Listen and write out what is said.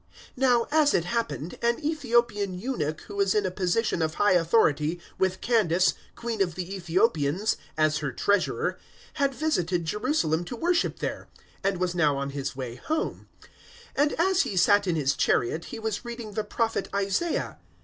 Now, as it happened, an Ethiopian eunuch who was in a position of high authority with Candace, queen of the Ethiopians, as her treasurer, had visited Jerusalem to worship there, 008:028 and was now on his way home; and as he sat in his chariot he was reading the Prophet Isaiah.